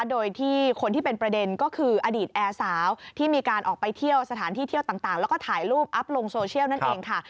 โดยที่คนที่เป็นประเด็นก็คืออดีตแอร์สาวที่มีการออกไปเที่ยวสถานที่เที่ยวต่างแล้วก็ถ่ายรูปอัพลงโซเชียลนั่นเองค่ะ